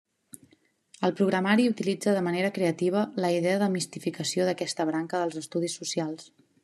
El programari utilitza de manera creativa la idea de mistificació d'aquesta branca dels estudis socials.